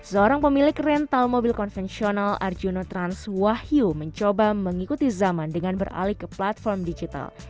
seorang pemilik rental mobil konvensional arjuna trans wahyu mencoba mengikuti zaman dengan beralih ke platform digital